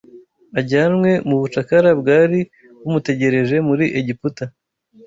ajyanwe mu bucakara bwari bumutegereje muri Egiputa